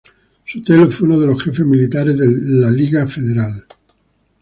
Sotelo fue uno de los jefes militares del Liga Federal.